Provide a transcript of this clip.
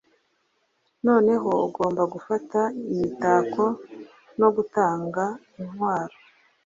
Noneho ugomba gufata imitako no gutanga intwaro